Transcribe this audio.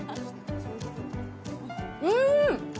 うん！